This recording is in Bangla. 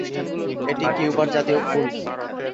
এটি কিউবার জাতীয় ফুল।